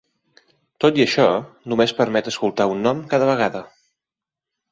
Tot i això, només permet escoltar un nom cada vegada.